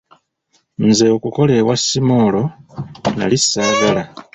Nze okukola ewa Simoolo nali saagala.